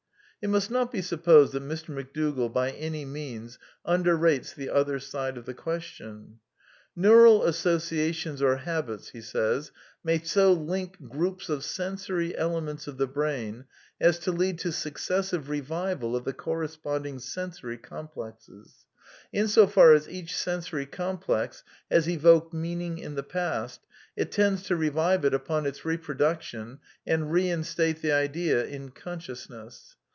It must not be supposed that Mr. McDougall by any means underrates the other side of the question. Neural associations or habits may so link groups of sensory elements of the brain as to lead to successive revival of the corresponding sensory complexes ... in so far as each sensory complex has evoked meaning in the past, it tends to revive it upon its reproduction and reinstate the idea in consciousness.